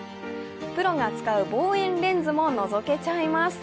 プロが使う望遠レンズものぞけちゃいます。